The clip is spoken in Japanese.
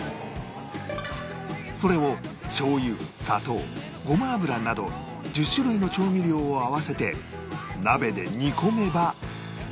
それをしょう油砂糖ごま油など１０種類の調味料を合わせて鍋で煮込めば